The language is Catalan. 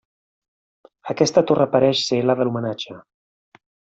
Aquesta torre pareix ser la de l'homenatge.